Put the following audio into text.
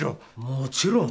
もちろん。